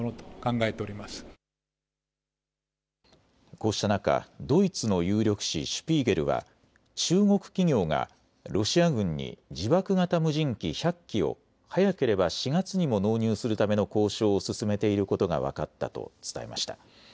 こうした中、ドイツの有力誌、シュピーゲルは中国企業がロシア軍に自爆型無人機１００機を早ければ４月にも納入するための交渉を進めていることが分かったと伝えました。